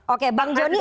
oke bang joni